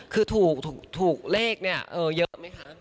คือถูกเลขเนี่ยเยอะไหมคะ